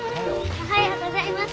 おはようございます。